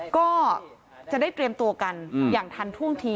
ก็จะได้เตรียมตัวกันอย่างทันท่วงที